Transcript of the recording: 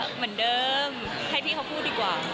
เหมือนเดิมให้พี่เขาพูดดีกว่า